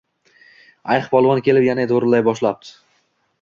Ayiqpolvon kelib, yana do’rillay boshlabdi: